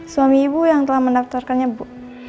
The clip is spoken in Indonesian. suami ibu yang telah mendaftarkannya bu